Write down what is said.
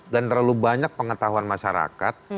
dan terlalu banyak pengetahuan masyarakat